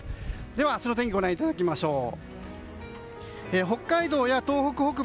では、明日の天気ご覧いただきましょう。